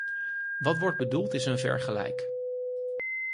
Wat wordt bedoeld is een vergelijk.